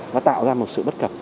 nó tạo ra một sự bất cập